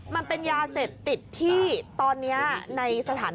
มันเป็นยาเสพติดที่ตอนนี้ในสถานบันเทิงนิยม